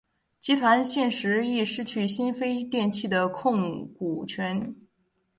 集团现时亦失去新飞电器的控股权。